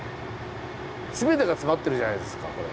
全てが詰まってるじゃないですかこれ。